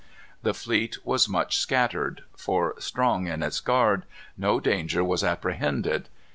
The fleet was much scattered; for, strong in its guard, no danger was apprehended.